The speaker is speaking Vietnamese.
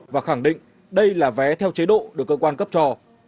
và khẳng định đây là vé theo chế độ được cơ quan cấp cho